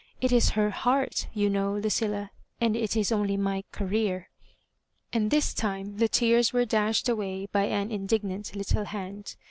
It is her heart, you know, .Lucilla; and' it is only my Career.'* And this time the tears were dashed away by . an indignant little.hand.